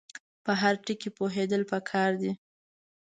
په هر ټکي پوهېدل پکار دي.